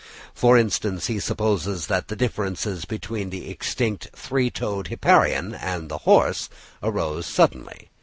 For instance, he supposes that the differences between the extinct three toed Hipparion and the horse arose suddenly.